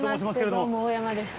どうも大山です。